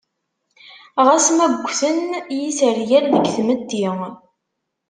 Ɣas ma ugten yisergal deg tmetti.